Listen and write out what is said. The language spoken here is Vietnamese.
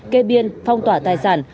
kê biên phong tỏa tài sản